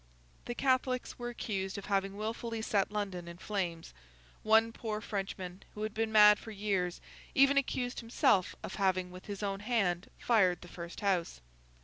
The Catholics were accused of having wilfully set London in flames; one poor Frenchman, who had been mad for years, even accused himself of having with his own hand fired the first house.